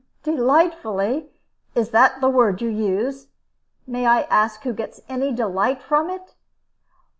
"Delightfully! Is that the word you use? May I ask who gets any delight from it?"